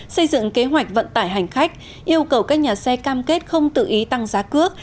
xây dựng kế hoạch vận tải hành khách yêu cầu các nhà xe cam kết không tự ý tăng giá cước